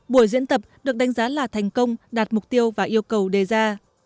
buổi diễn tập được đánh giá là thành công đạt mục tiêu và yêu cầu đề ra